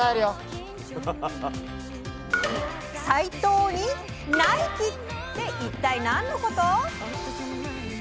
斎藤にナイキって一体何のこと？